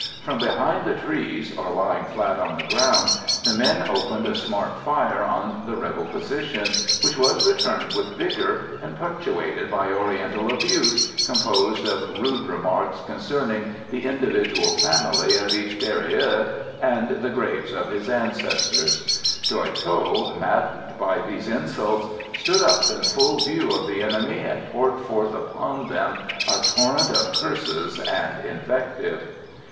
From behind the trees, or lying flat on the ground, the men opened a smart fire on the rebel position, which was returned with vigour and punctuated by Oriental abuse, composed of rude remarks concerning the individual family of each tirailleur, and the graves of his ancestors. Doy Tho, maddened by these insults, stood up in full view of the enemy, and poured forth upon them a torrent of curses and invective.